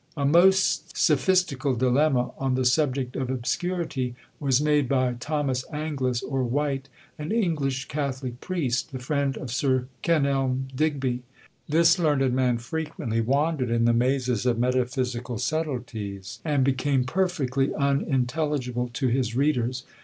A most sophistical dilemma, on the subject of obscurity, was made by Thomas Anglus, or White, an English Catholic priest, the friend of Sir Kenelm Digby. This learned man frequently wandered in the mazes of metaphysical subtilties; and became perfectly unintelligible to his readers.